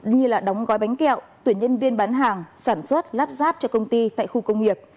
như đóng gói bánh kẹo tuyển nhân viên bán hàng sản xuất lắp ráp cho công ty tại khu công nghiệp